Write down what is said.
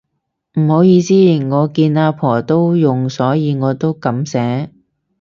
唔好意思，我見阿婆都用所以我都噉寫